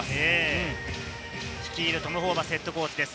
トム・ホーバスＨＣです。